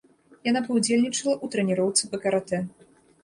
Яна паўдзельнічала ў трэніроўцы па каратэ.